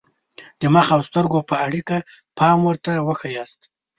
د مخ او سترګو په اړیکه پام ورته وښایاست.